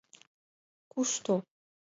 Кушто?..